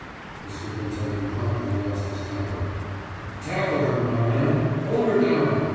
« The superintendent promptly lost his temper. »Tackle her, my man! Hold her down.